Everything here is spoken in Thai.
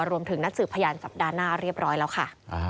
รวมถึงนัดสืบพยานสัปดาห์หน้าเรียบร้อยแล้วค่ะ